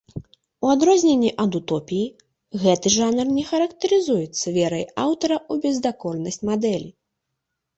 У адрозненне ад утопіі, гэты жанр не характарызуецца верай аўтара ў бездакорнасць мадэлі.